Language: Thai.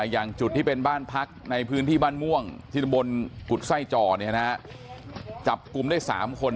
อย่างจุดที่เป็นบ้านพักในพื้นที่บ้านม่วงที่ตะบนกุฎไส้จ่อจับกลุ่มได้๓คน